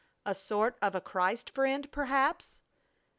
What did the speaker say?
"A sort of a Christ friend, perhaps?"